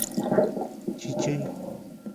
🐤چېچۍ